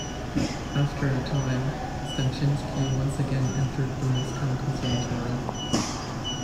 After a time, Stanchinsky once again entered the Moscow Conservatory.